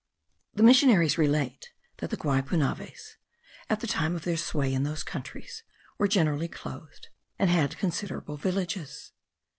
The missionaries relate, that the Guaypunaves, at the time of their sway in those countries, were generally clothed, and had considerable villages.